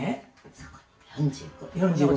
「そこ４５」